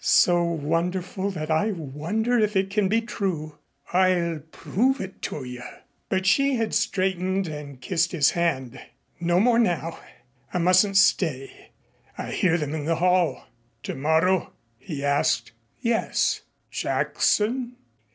"So wonderful that I wonder if it can be true." "I'll prove it to you " But she had straightened and kissed his hand. "No more now I mustn't stay. I hear them in the hall." "Tomorrow?" he asked. "Yes." "Jackson?"